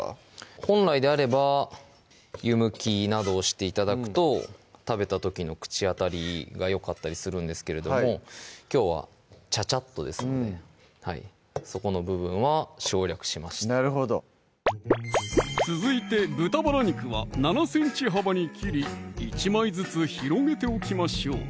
本来であれば湯むきなどをして頂くと食べた時の口当たりがよかったりするんですけれどもきょうは「ちゃちゃっと」ですのでそこの部分は省略しましたなるほど続いて豚バラ肉は７ｃｍ幅に切り１枚ずつ広げておきましょう